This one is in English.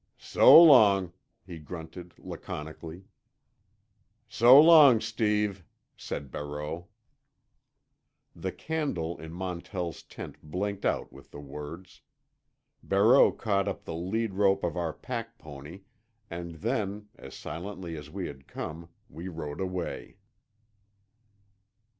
"So long," he grunted laconically. "So long, Steve," said Barreau. The candle in Montell's tent blinked out with the words. Barreau caught up the lead rope of our pack pony, and then, as silently as we had come, we rode away.